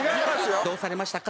「どうされましたか？」